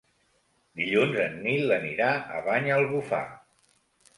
Dilluns en Nil anirà a Banyalbufar.